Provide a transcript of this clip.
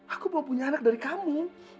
aku mau punya anak dari kami